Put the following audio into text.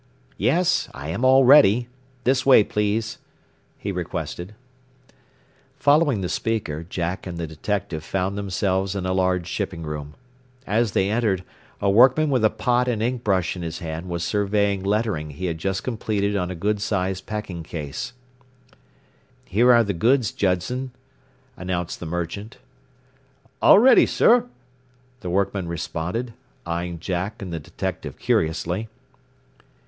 "Yes, I am all ready. This way, please," he requested. Following the speaker, Jack and the detective found themselves in a large shipping room. As they entered, a workman with a pot and ink brush in his hand was surveying lettering he had just completed on a good sized packing case. "Here are the 'goods,' Judson," announced the merchant. "All ready, sir," the workman responded, eyeing Jack and the detective curiously.